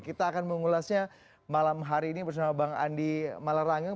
kita akan mengulasnya malam hari ini bersama bang andi malarangeng